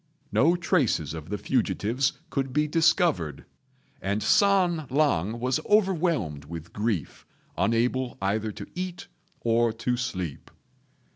No traces of the fugitives could be discovered, and San lang was overwhelmed with grief, unable either to eat or to sleep.